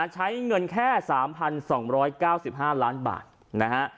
ใช้เงินแค่๓๒๙๕ล้านบาทนะฮะ